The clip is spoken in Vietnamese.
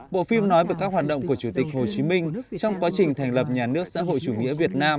bộ phim nói về các hoạt động của chủ tịch hồ chí minh trong quá trình thành lập nhà nước xã hội chủ nghĩa việt nam